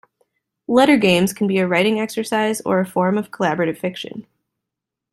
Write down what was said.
Letter games can be a writing exercise or a form of collaborative fiction.